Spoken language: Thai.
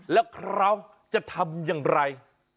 แล้วเขาจะทำอย่างไร